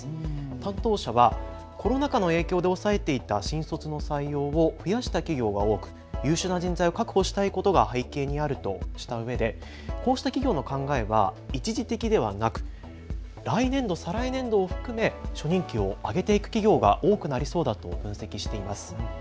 担当者はコロナ禍の影響で抑えていた新卒の採用を増やした企業が多く優秀な人材を確保したいことが背景にあるとしたうえでこうした企業の考えは一時的ではなく来年度、再来年度を含め初任給を上げていく企業が多くなりそうだと分析しています。